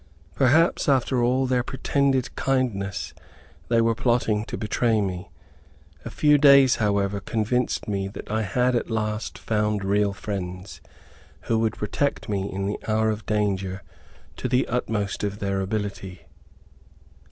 Perhaps, after all their pretended kindness, they were plotting to betray me. A few days, however, convinced me that I had at last found real friends, who would protect me in the hour of danger to the utmost of their ability.